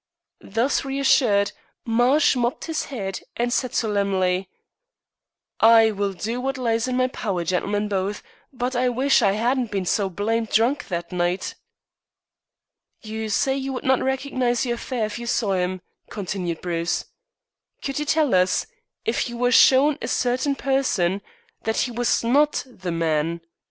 Thus reassured, Marsh mopped his head and said solemnly: "I will do wot lies in my power, gentlemen both, but I wish I 'adn't bin so blamed drunk that night." "You say you would not recognize your fare if you saw him," continued Bruce. "Could you tell us, if you were shown a certain person, that he was not the man?